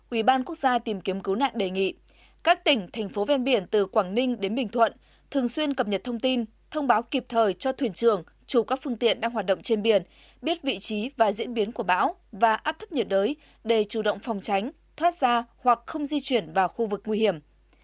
ubnd tqn đề nghị các tỉnh thành phố ven biển từ quảng ninh đến bình thuận thường xuyên cập nhật thông tin thông báo kịp thời cho thuyền trường chủ các phương tiện đang hoạt động trên biển biết vị trí và diễn biến của bão và áp thấp nhiệt đới để chủ động phòng tránh thoát ra hoặc không di chuyển vào khu vực nguy hiểm